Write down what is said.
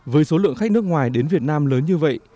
với số lượng khách nước ngoài đến việt nam lớn như vậy